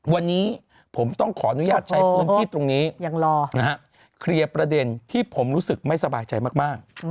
วันนี้ผมต้องขออนุญาตใช้พื้นที่ตรงนี้เคลียร์ประเด็นที่ผมรู้สึกไม่สบายใจมาก